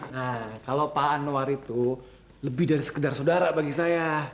nah kalau pak anwar itu lebih dari sekedar saudara bagi saya